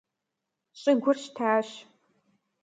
Щӏыгур щтащ.